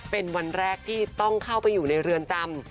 เป็นวันแรกที่ต้องเข้าไปอยู่ในเรือนจำ